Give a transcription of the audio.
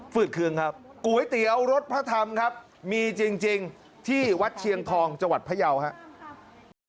เครื่องครับก๋วยเตี๋ยวรสพระธรรมครับมีจริงที่วัดเชียงทองจังหวัดพยาวครับ